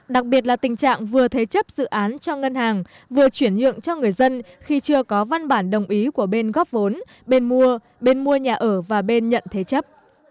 đặc biệt là tình trạng vừa thế chấp dự án cho ngân hàng vừa chuyển nhượng cho người dân khi chưa có văn bản đồng ý của bên góp vốn bên mua bên mua nhà ở và bên nhận thế chấp